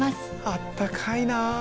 あったかいな。